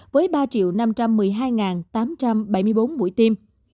với ba năm trăm một mươi hai tám trăm bảy mươi bốn mũi tiêm